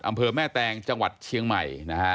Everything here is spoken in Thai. อำเภอแม่แตงจังหวัดเชียงใหม่นะฮะ